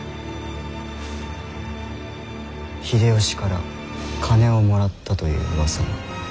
秀吉から金をもらったといううわさも。